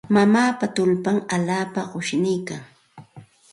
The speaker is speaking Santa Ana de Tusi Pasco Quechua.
Mamaapa tullpan allaapa qushniikan.